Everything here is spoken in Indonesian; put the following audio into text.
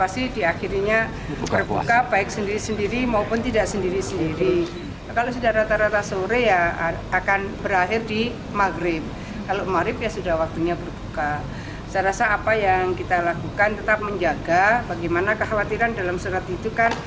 saya rasa apa yang kita lakukan tetap menjaga bagaimana kekhawatiran dalam sholat itu kan